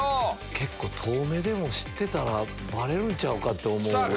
結構遠目でも知ってたらバレるんちゃうかと思うぐらい。